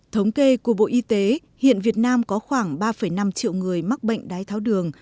thống kê của bộ y tế hiện việt nam có khoảng ba năm triệu người mắc bệnh đái tháo đường